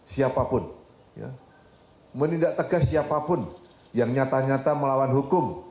siapapun menindak tegas siapapun yang nyata nyata melawan hukum